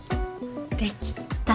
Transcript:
できた。